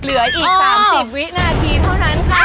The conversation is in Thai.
เหลืออีก๓๐วินาทีเท่านั้นค่ะ